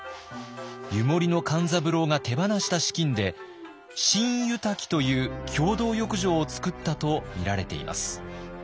湯守の勘三郎が手放した資金で新湯瀧という共同浴場をつくったとみられています。